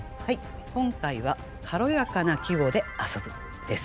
今回は「かろやかな季語で遊ぶ」です。